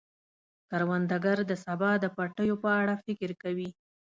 کروندګر د سبا د پټیو په اړه فکر کوي